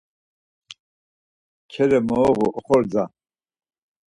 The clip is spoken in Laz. Çere mooğu oxorza.